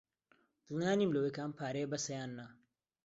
دڵنیا نیم لەوەی کە ئەم پارەیە بەسە یان نا.